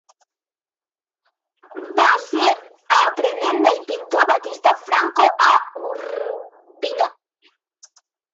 Va ser aprenent del pintor Battista Franco a Urbino.